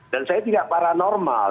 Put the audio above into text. dan saya tidak paranormal